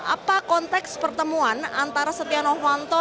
apa konteks pertemuan antara setia novanto